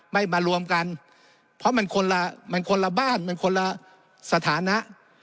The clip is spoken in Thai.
ไม่มารวมกันเพราะมันคนละมันคนละบ้านมันคนละสถานะ